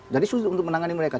sulit untuk menangani mereka